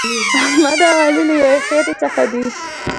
احمد او علي له یوې خټې څخه دي.